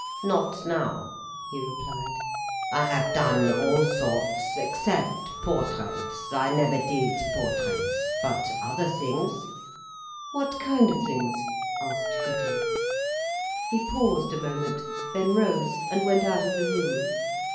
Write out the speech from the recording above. "Not now," he replied. "I have done all sorts—except portraits—I never did portraits. But other things—" "What kind of things?" asked Gudrun. He paused a moment, then rose, and went out of the room.